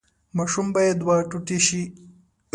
ماشوم باید دوه ټوټې شي.